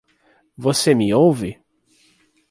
Você me ouve?